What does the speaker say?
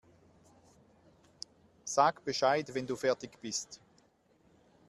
Sag Bescheid, wenn du fertig bist.